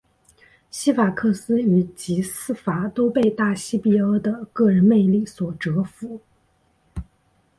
西法克斯与吉斯戈都被大西庇阿的个人魅力所折服。